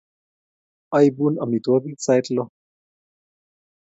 Aipun amitwogik sait lo